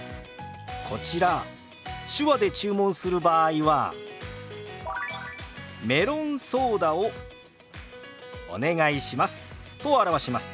こちら手話で注文する場合は「メロンソーダをお願いします」と表します。